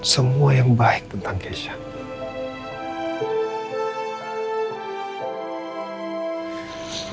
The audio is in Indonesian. semua yang baik tentang keisha